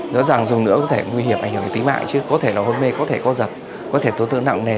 rõ ràng dùng nữa có thể nguy hiểm ảnh hưởng đến tính mạng chứ có thể là hôn mê có thể co giật có thể tổn thương nặng nề